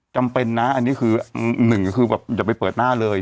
จำเป็นนะอันนี้คือหนึ่งก็คือแบบอย่าไปเปิดหน้าเลย